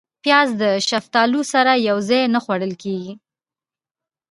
پیاز د شفتالو سره یو ځای نه خوړل کېږي